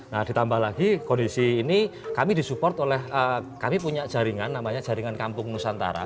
nah ditambah lagi kondisi ini kami disupport oleh kami punya jaringan namanya jaringan kampung nusantara